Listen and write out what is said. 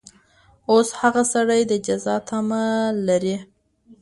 اوس هغه سړي د جزا تمه لرله.